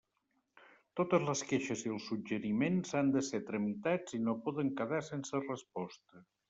Totes les queixes i els suggeriments han de ser tramitats i no poden quedar sense resposta.